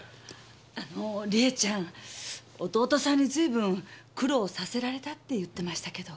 あの理恵ちゃん弟さんに随分苦労させられたって言ってましたけど。